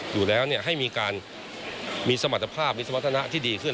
อยู่แล้วให้มีการมีสมรรถภาพวิสมรรถนะที่ดีขึ้น